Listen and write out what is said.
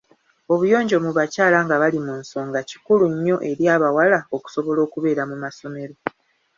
Obuyonjo mu bakyala nga bali mu nsonga kikulu nnyo eri abawala okusobola okubeera mu masomero.